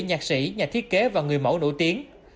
nhạc sĩ nhà thiết kế và người mẫu nổi tiếng